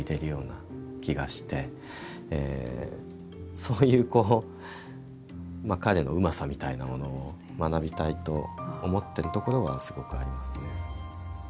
そういう彼のうまさみたいなものを学びたいと思っているところはすごくありますね。